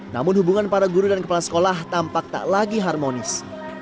namun hubungan para guru dan kepala sekolah tampak tak lagi harmonis